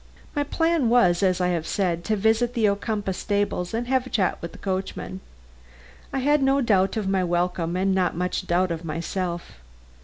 My plan was, as I have said, to visit the Ocumpaugh stables and have a chat with the coachman. I had no doubt of my welcome and not much doubt of myself.